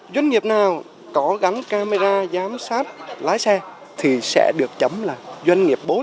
doanh nghiệp nào có gắn camera giám sát lái xe thì sẽ được chấm là doanh nghiệp bố